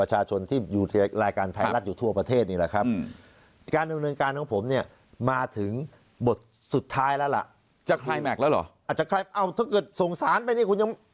จุดสุดท้ายแล้วหละจากลายแมคแล้วเหรอถ้าเกิดส่งสารไปคุณยัง